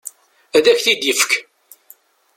Ad ak-t-id-ifek.